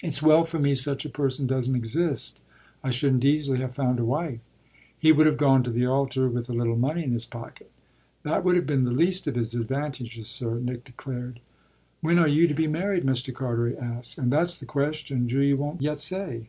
"It's well for me such a person doesn't exist. I shouldn't easily have found a wife." "He would have gone to the altar with a little money in his pocket." "That would have been the least of his advantages, sir," Nick declared. "When are you to be married?" Mr. Carteret asked. "Ah that's the question. Julia won't yet say."